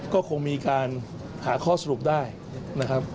ก็คงมีการหาข้อสรุปได้นะครับ